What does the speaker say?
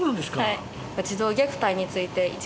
はい。